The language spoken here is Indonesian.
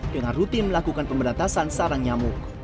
dengan rutin melakukan pemberantasan sarang nyamuk